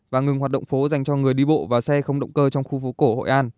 và ngừng hoạt động phố dành cho người đi bộ và xe không động cơ trong khu phố cổ hội an